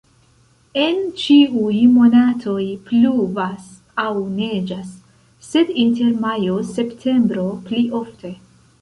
En ĉiuj monatoj pluvas aŭ neĝas, sed inter majo-septembro pli ofte.